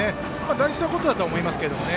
大事なことだと思いますね。